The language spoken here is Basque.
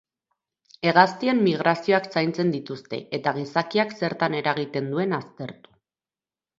Hegaztien migrazioak zaintzen dituzte eta gizakiak zertan eragiten duen aztertu.